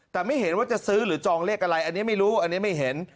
แต่ไม่เห็นว่าจะซื้อหรือจองเลขอะไรอันนี้ไม่รู้อันนี้ไม่เห็น